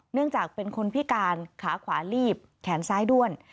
เนื่องจากเป็นคนพิการขาขวาลีบแขนซ้ายด้วน